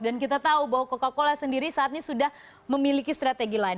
dan kita tahu bahwa coca cola sendiri saat ini sudah memiliki strategi lain